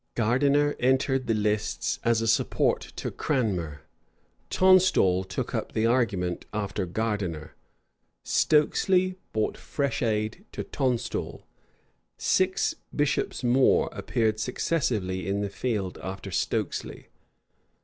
Gardiner entered the lists as a support to Cranmner: Tonstal took up the argument after Gardiner: Stokesley brought fresh aid to Tonstal; six bishops more appeared successively in the field after Stokesley.